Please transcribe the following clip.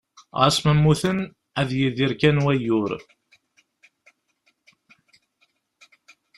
Ɣas ma mmuten, ad yidir kan wayyur.